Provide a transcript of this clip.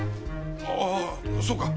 ああそっか。